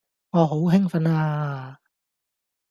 我好興奮呀